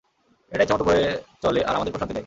এটা ইচ্ছামত বয়ে চলে আর আমাদের প্রশান্তি দেয়।